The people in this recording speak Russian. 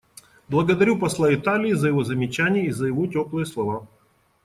Благодарю посла Италии за его замечания и за его теплые слова.